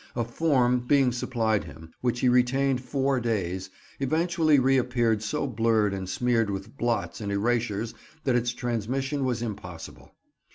A "form" being supplied him, which he retained four days, eventually reappeared so blurred and smeared with blots and erasures that its transmission was impossible.